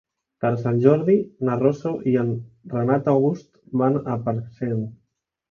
Per Sant Jordi na Rosó i en Renat August van a Parcent.